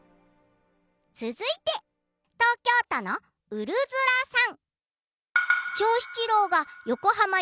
続いて、東京都のウルズラさん。